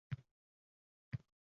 To‘satdan eshik ochildi.